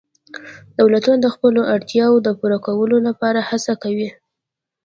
دولتونه د خپلو اړتیاوو د پوره کولو لپاره هڅه کوي